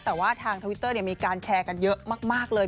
แต่ว่าทางทวิตเตอร์มีการแชร์กันเยอะมากเลย